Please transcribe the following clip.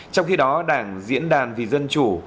trong khi đó đảng diễn đàn vì dân chủ